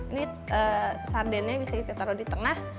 ini sardennya bisa kita taruh di tengah